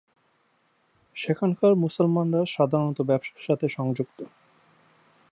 সেখানকার মুসলমানরা সাধারণত ব্যবসার সাথে সংযুক্ত।